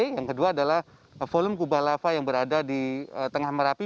yang kedua adalah volume kubah lava yang berada di tengah merapi